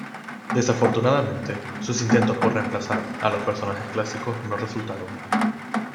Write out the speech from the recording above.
Desafortunadamente, sus intentos por reemplazar a los personajes clásicos no resultaron.